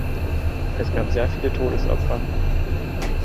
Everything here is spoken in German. Es gab sehr viele Todesopfer.